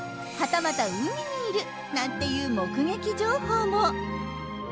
はたまた海にいる！なんていう目撃情報も。